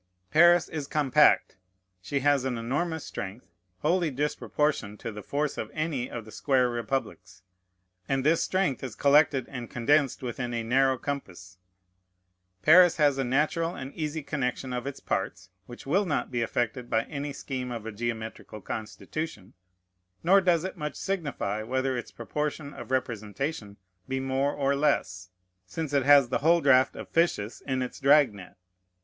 Paris is compact; she has an enormous strength, wholly disproportioned to the force of any of the square republics; and this strength is collected and condensed within a narrow compass. Paris has a natural and easy connection of its parts, which will not be affected by any scheme of a geometrical constitution; nor does it much signify whether its proportion of representation be more or less, since it has the whole draught of fishes in its drag net.